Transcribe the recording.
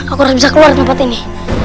aku harus bisa keluar tempat ini